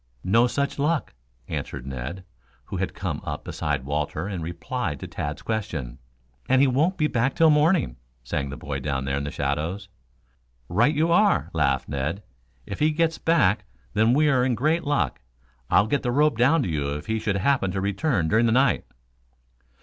"No such luck," answered Ned, who had come up beside Walter and replied to Tad's question. "And he won't be back till morning," sang the boy down there in the shadows. "Right you are," laughed Ned. "If he gets back then we are in great luck. I'll let the rope down to you if he should happen to return during the night."